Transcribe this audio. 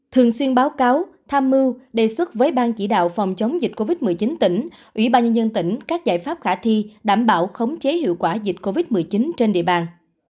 thường xuyên báo cáo tham mưu đề xuất với ban chỉ đạo phòng chống dịch covid một mươi chín tỉnh ủy ban nhân dân tỉnh các giải pháp khả thi đảm bảo khống chế hiệu quả dịch covid một mươi chín trên địa bàn